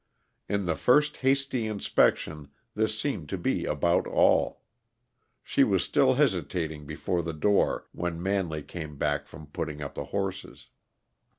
In the first hasty inspection this seemed to be about all. She was still hesitating before the door when Manley came back from putting up the horses.